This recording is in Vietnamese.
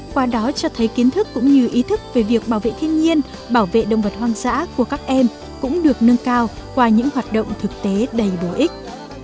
qua đó cho thấy kiến thức cũng như ý thức về việc bảo vệ thiên nhiên bảo vệ động vật hoang dã của các em cũng được nâng cao qua những hoạt động thực tế đầy bổ ích